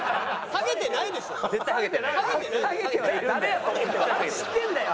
ハゲてはいるんだよ。